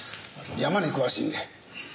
山に詳しいんで。